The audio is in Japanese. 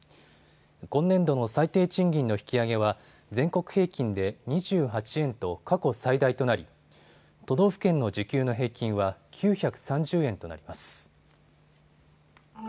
今年度の最低賃金の引き上げは全国平均で２８円と過去最大となり都道府県の時給の平均は９３０円となります。